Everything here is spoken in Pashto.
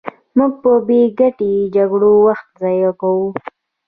موږ په بې ګټې جګړو وخت ضایع کوو.